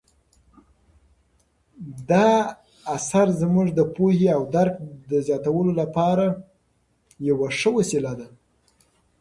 دا اثر زموږ د پوهې او درک د زیاتولو لپاره یوه ښه وسیله ده.